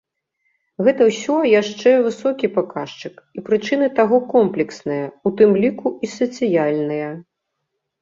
Гэта ўсё яшчэ высокі паказчык, і прычыны таго комплексныя, у тым ліку, і сацыяльныя.